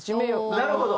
なるほど。